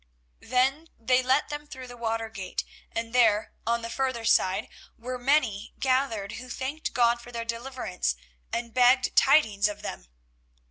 Then they let them through the watergate, and there, on the further side, were many gathered who thanked God for their deliverance, and begged tidings of them.